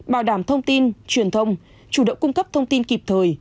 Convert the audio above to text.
bảo đảm thông tin truyền thông chủ động cung cấp thông tin kịp thời